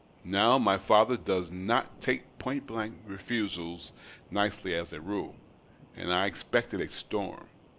Now, my father does not take point blank refusals nicely as a rule, and I expected a storm.